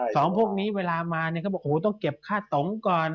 สองพวกนี้เวลามาก็ต้องเก็บค่าตมก่อน